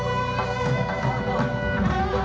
iya ini dia